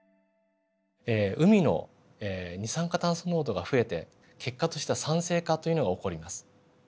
海の二酸化炭素濃度が増えて結果としては酸性化というのが起こります。